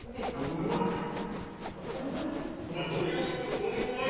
鶏、うまい！